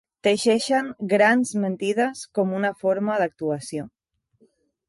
Teixeixen grans mentides com una forma d'actuació.